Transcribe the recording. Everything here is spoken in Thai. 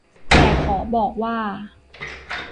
แต่ขอบอกว่า